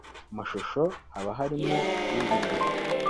mashusho haba harimo ijwi rye